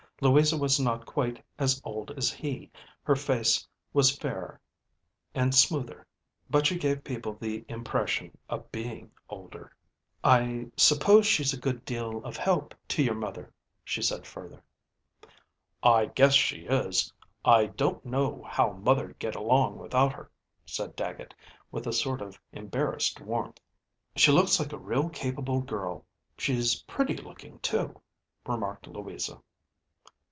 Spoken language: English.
Louisa was not quite as old as he, her face was fairer and smoother, but she gave people the impression of being older. ďI suppose she's a good deal of help to your mother," she said, further. "I guess she is; I don't know how mother'd get along without her," said Dagget, with a sort of embarrassed warmth. ďShe looks like a real capable girl. She's pretty looking too," remarked Louisa.